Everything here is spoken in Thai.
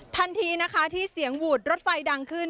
ทันทีนะคะที่เสียงหวูดรถไฟดังขึ้น